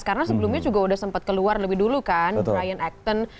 karena sebelumnya juga udah sempat keluar lebih dulu kan brian acton